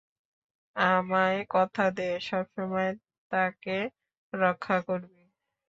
আমায় কথা দে সবসময় তাকে রক্ষা করবি।